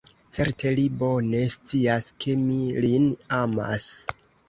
Certe li bone scias, ke mi lin amas.